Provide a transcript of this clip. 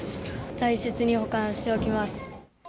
大切に保管しておきます。